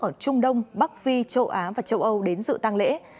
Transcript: ở trung đông bắc phi châu á và châu âu đến dự tăng lễ